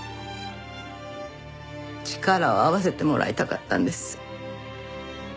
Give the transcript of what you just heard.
力を合わせてもらいたかったんです。